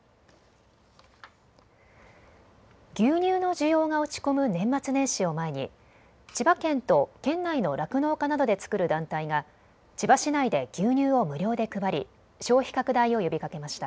牛乳の需要が落ち込む年末年始を前に千葉県と県内の酪農家などで作る団体が千葉市内で牛乳を無料で配り消費拡大を呼びかけました。